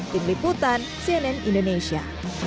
tim liputan cnn indonesia